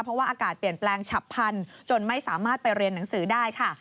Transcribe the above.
เพราะว่าอากาศเปลี่ยนแปลงฉับพันธุ์จนไม่สามารถไปเรียนหนังสือได้ค่ะ